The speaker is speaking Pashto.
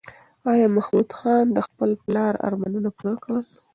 ایا محمود خان د خپل پلار ارمان پوره کړ؟